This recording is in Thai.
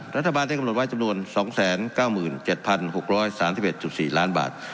รัฐบาลได้กำหนดไว้จำนวน๒๙๗๖๓๑๔ล้านบาท